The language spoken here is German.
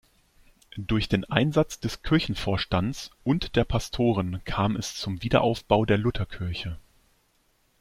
Durch den Einsatz des Kirchenvorstands und der Pastoren kam es zum Wiederaufbau der Lutherkirche.